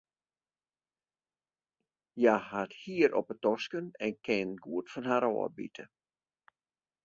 Hja hat hier op de tosken en kin goed fan har ôfbite.